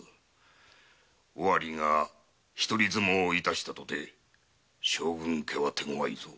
尾張が一人相撲を致したとて将軍家は手ごわいぞ。